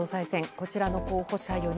こちらの候補者４人。